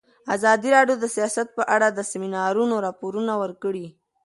ازادي راډیو د سیاست په اړه د سیمینارونو راپورونه ورکړي.